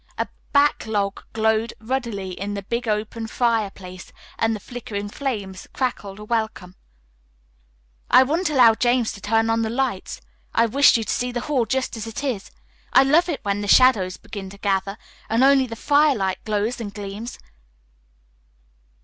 A back log glowed ruddily in the big open fireplace, and the flickering flames crackled a welcome. "I wouldn't allow James to turn on the lights. I wished you to see the hall just as it is. I love it when the shadows begin to gather, and only the firelight glows and gleams!